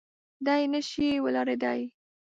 دی نه شي ولاړېدای.